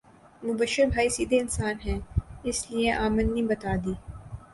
مبشر بھائی سیدھے انسان ہے اس لیے امدنی بتا دی